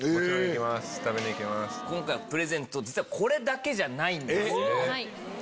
今回はプレゼント実はこれだけじゃないんです。